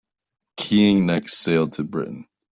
"Keying" next sailed to Britain.